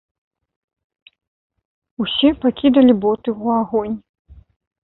Усе пакідалі боты ў агонь.